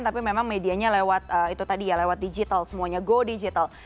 tapi memang medianya lewat itu tadi ya lewat digital semuanya go digital